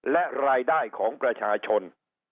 และรายได้ของประชาชน